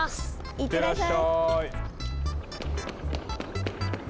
いってらっしゃい！